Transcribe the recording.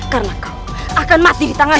karena kau akan mati di tangan